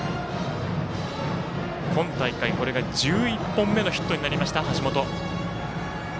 今大会、これが１１本目のヒットになりました橋本。